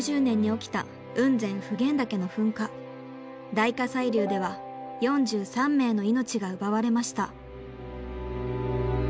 大火砕流では４３名の命が奪われました。